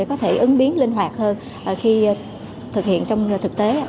có thể ứng biến linh hoạt hơn khi thực hiện trong thực tế